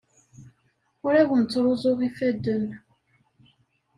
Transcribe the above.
Ur awen-ttruẓuɣ ifadden.